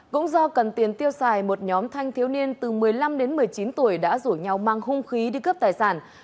cũng do cần tiền tiêu xài một nhóm thanh thiếu niên từ một mươi năm đến một mươi chín tuổi đã rủ nhau mang hung khí đi cướp tài sản